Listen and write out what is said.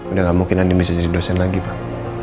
udah gak mungkin andi bisa jadi dosen lagi pak